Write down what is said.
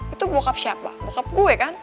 itu bokap siapa bokap gue ya kan